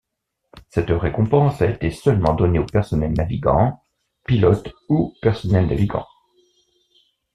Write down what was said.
Cette récompense a été seulement donnée au personnel navigant, pilotes ou personnels navigants.